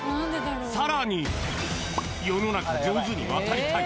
更に、世の中を上手に渡りたい。